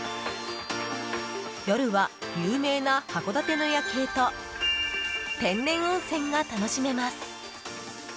夜は有名な函館の夜景と天然温泉が楽しめます。